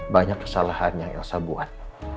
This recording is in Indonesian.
banyak kesalahan yang saya buat